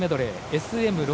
ＳＭ６。